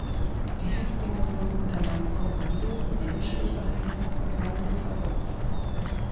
Die Häftlinge wurden unter meinem Kommando menschlich behandelt und waren gut versorgt.